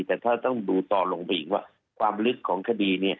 แต่ถ้าต้องดูตอนลงไปอีกว่าความลึกของคดี